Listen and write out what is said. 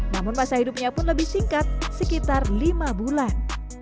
namun masa hidupnya pun lebih singkat sekitar lima bulan